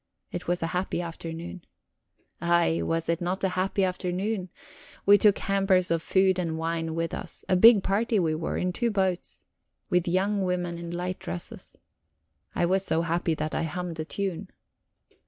It was a happy afternoon. Ay, was it not a happy afternoon? We took hampers of food and wine with us; a big party we were, in two boats, with young women in light dresses. I was so happy that I hummed a tune.